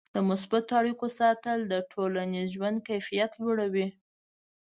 د مثبتو اړیکو ساتل د ټولنیز ژوند کیفیت لوړوي.